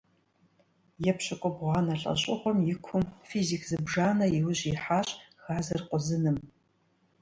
ЕпщыкIубгъуанэ лIэщIыгъуэм и кум физик зыбжанэ и ужь ихьащ газыр къузыным.